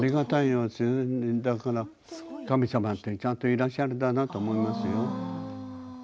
神様ってちゃんといらっしゃるんだなと思いますよ。